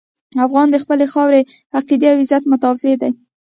افغان د خپلې خاورې، عقیدې او عزت مدافع دی.